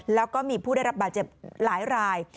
แล้วก็มีผู้ได้รับบาดเจ็บหลายราย